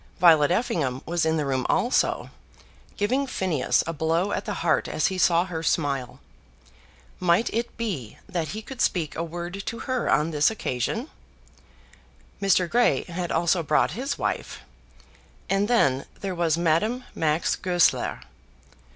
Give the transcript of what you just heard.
Violet Effingham was in the room also, giving Phineas a blow at the heart as he saw her smile. Might it be that he could speak a word to her on this occasion? Mr. Grey had also brought his wife; and then there was Madame Max Goesler.